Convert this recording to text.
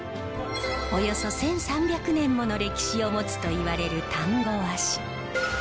およそ１，３００年もの歴史を持つといわれる丹後和紙。